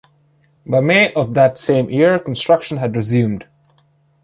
By May of that same year construction had resumed.